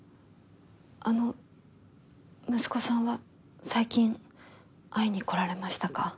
あの息子さんは最近会いに来られましたか？